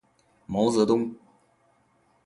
毛泽东